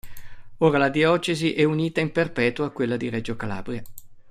Ora la diocesi è unita in perpetuo a quella di Reggio Calabria.